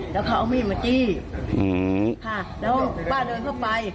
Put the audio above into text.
แล้วเขาเอามีดมาจี้อืมค่ะแล้วป้าเดินเข้าไป